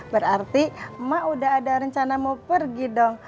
berarti emak udah ada rencana mau pergi dong